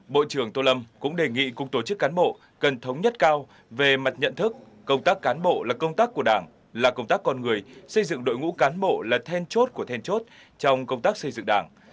bộ trưởng tô lâm cũng đề nghị cục tổ chức cán bộ cần thống nhất cao về mặt nhận thức công tác cán bộ là công tác của đảng là công tác con người xây dựng đội ngũ cán bộ là then chốt của then chốt trong công tác xây dựng đảng